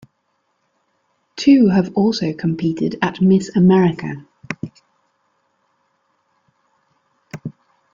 Two have also competed at Miss America.